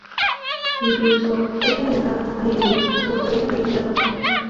Incluso echa de la casa a Irene, por lo que esta pierde la razón.